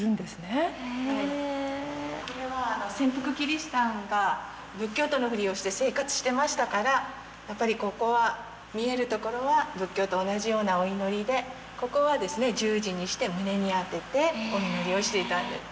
これは潜伏キリシタンが仏教徒のふりをして生活してましたからやっぱりここは見えるところは仏教と同じようなお祈りでここは十字にして胸に当ててお祈りをしていたんです。